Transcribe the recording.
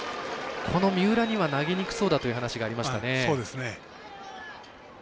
三浦には投げにくそうだという話がありましたね。